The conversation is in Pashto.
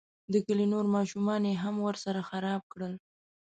د کلي نور ماشومان یې هم ورسره خراب کړل.